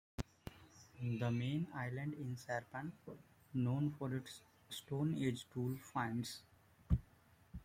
The main island is Sarpan, known for its Stone Age tool finds.